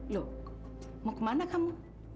loh mau kemana kamu